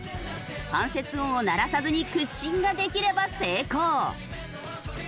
関節音を鳴らさずに屈伸ができれば成功。